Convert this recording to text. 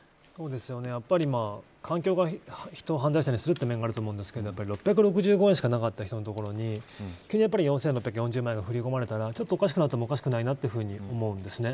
やっぱり環境が人を犯罪者にする面があると思うんですけど６６５円しかなかった人のところに急に４６３０万円が振り込まれたらおかしくなるんだと思うんですね。